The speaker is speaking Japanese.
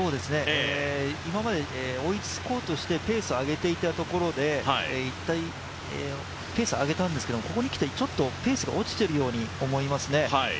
今まで、追いつこうとしてペースを上げていたところで一回ペースを上げたんですけど、ここに来てペースが落ちているように思いますね。